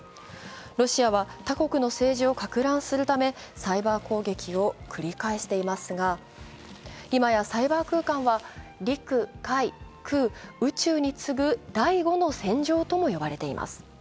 ロシアは他国の政治をかく乱するため、サイバー攻撃を繰り返していますが、今やサイバー空間は陸・海・空・宇宙に次ぐ第五の戦場とも呼ばれています。